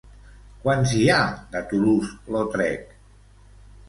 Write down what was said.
Quants hi ha de Toulouse-Lautrec?